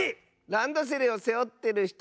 ランドセルをせおってるひと！